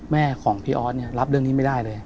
แม่ของพี่ออสเนี่ยรับเรื่องนี้ไม่ได้เลย